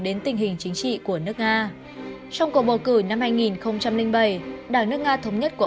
đến tình hình chính trị của nước nga trong cuộc bầu cử năm hai nghìn bảy đảng nước nga thống nhất của